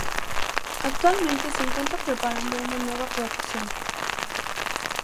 Actualmente se encuentra preparando una nueva producción.